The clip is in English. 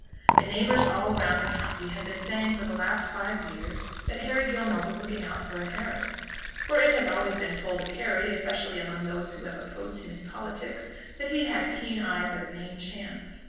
The neighbours all round the country have been saying for the last five years that Harry Gilmore was looking out for an heiress; for it has always been told of Harry, especially among those who have opposed him in politics, that he had a keen eye for the main chance.